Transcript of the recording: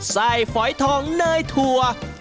ฝอยทองเนยถั่ว